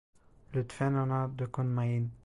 Lütfen ona dokunmayın.